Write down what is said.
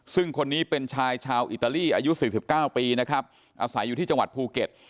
ซึ่งคนนี้เป็นชายชาวอิตาลีอายุ๔๙ปีนะครับอาศัยอยู่ที่จังหวัดภูเก็ต